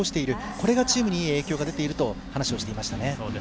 これがチームにいい影響が出ていると話をしていましたね。